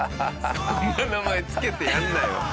そんな名前付けてやるなよ。